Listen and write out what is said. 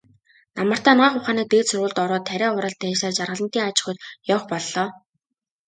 Намартаа Анагаах ухааны дээд сургуульд ороод, тариа хураалтын ажлаар Жаргалантын аж ахуйд явах боллоо.